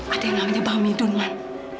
ada yang namanya baw midun man